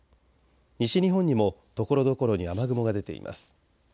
西日本にもところどころに雨雲が出ています。